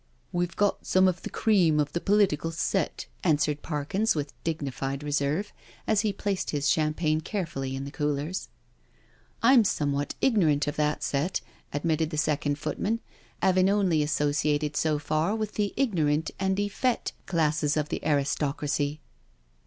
" We've got some of the cream of the political set," answered Parkins with dignified reserve, as he placed his champagne carefully in coolers. "I'm somewhat ignorant of that set," admitted the second footman, " 'aving only associated so far with the ignorant and effete classes of the aristocracy."